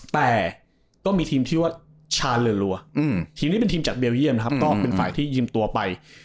แต่ก็มีทีมที่ว่าชาเรือนรัวทีมนี้เป็นทีมจากเบลเยี่ยมนะครับก็เป็นฝ่ายที่ยืมตัวไป